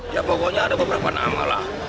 ya pokoknya ada beberapa nama lah